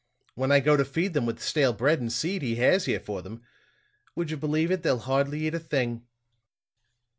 When I go to feed them with the stale bread and seed he has here for them, would you believe it, they'll hardly eat a thing."